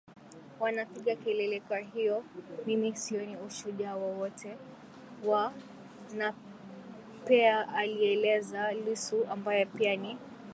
wanapiga kelele Kwahiyo mimi sioni ushujaa wowote wa Napealieleza Lissu ambaye pia ni